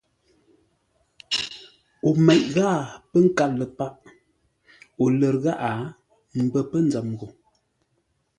O meʼ ghâa pə̂ nkâr ləpâʼo lər gháʼá mbə́ nzəm gho.